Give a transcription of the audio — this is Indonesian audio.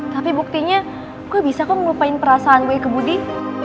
tapi buktinya kok bisa kok melupain perasaan gue ke budi